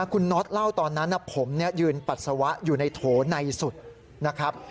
คุณน็อตเล่าตอนนั้นผมยืนปัสสาวะอยู่ในโถในสุดนะครับ